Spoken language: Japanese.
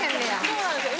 そうなんですよ